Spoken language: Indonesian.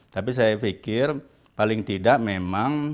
tapi saya pikir paling tidak memang